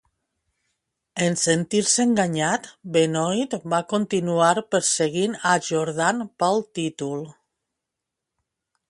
En sentir-se enganyat, Benoit va continuar perseguint a Jordan pel títol.